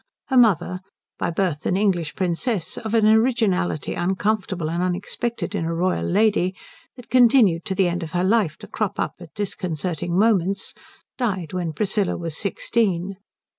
Her mother, by birth an English princess of an originality uncomfortable and unexpected in a royal lady that continued to the end of her life to crop up at disconcerting moments, died when Priscilla was sixteen.